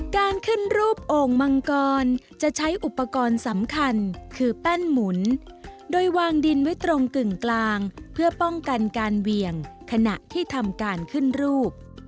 การขึ้นรูปโอ่งมังกรจะใช้อุปกรณ์สำคัญคือแป้นหมุนโดยวางดินไว้ตรงกึ่งกลางเพื่อป้องกันการเหวี่ยงขณะที่ทำการขึ้นรูป